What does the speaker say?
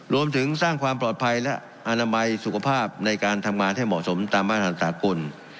รวมถึงสร้างความปลอดภัยและอนามัยสุขภาพในการทำงานให้เหมาะสมตามมาตรฐานสากล